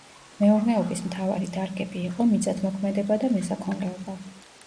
მეურნეობის მთავარი დარგები იყო მიწათმოქმედება და მესაქონლეობა.